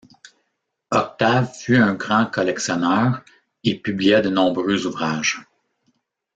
Octave fut un grand collectionneur et publia de nombreux ouvrages.